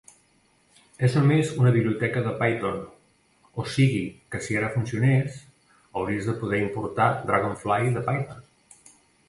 És només una biblioteca de Python, o sigui que si ara funcionés, hauries de poder importar dragonfly de Python.